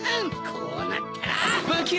こうなったら！